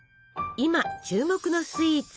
今注目のスイーツ